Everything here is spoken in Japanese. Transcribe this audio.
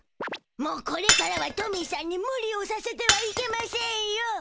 もうこれからはトミーしゃんにムリをさせてはいけませんよ。